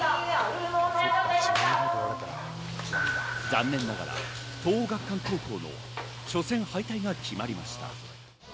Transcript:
残念ながら東桜学館高校の初戦敗退が決まりました。